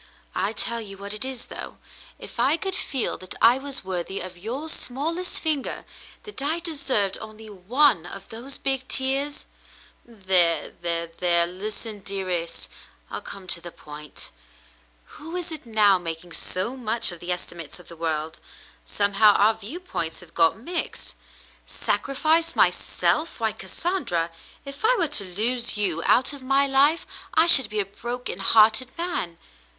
I tell you what it is, though, if I could feel that I was worthy of your smallest finger — that I deserved only one of those big tears — there — there — there ! Listen, dearest, I'll come to the point. The Shadow Lifts 311 "Who is it now, making so much of the estimates of the world ? Somehow our viewpoints have got mixed. Sacrifice myself ? Why, Cassandra, if I were to lose you out of my life, I should be a broken hearted man.